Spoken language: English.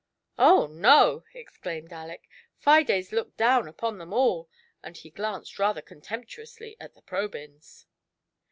" Oh no !" exclaimed Aleck ;" Fides looked down upon them all," and he glanced rather contemptuously at the Probyns.